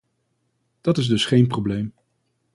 Dat is dus geen probleem.